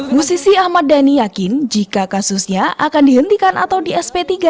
musisi ahmad dhani yakin jika kasusnya akan dihentikan atau di sp tiga